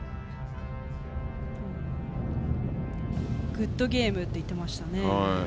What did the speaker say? グッドゲームって言っていましたね。